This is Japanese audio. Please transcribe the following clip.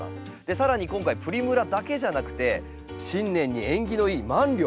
更に今回プリムラだけじゃなくて新年に縁起のいいマンリョウ。